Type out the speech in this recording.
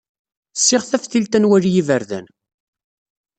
Ssiɣ taftilt ad nwali iberdan!